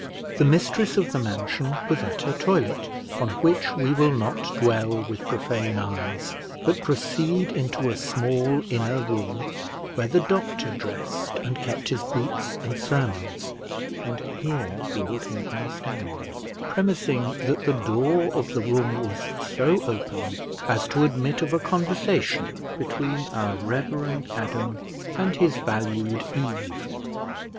The mistress of the mansion was at her toilet; on which we will not dwell with profane eyes, but proceed into a small inner room, where the doctor dressed and kept his boots and sermons; and here we will take our stand, premising that the door of the room was so open as to admit of a conversation between our reverend Adam and his valued Eve.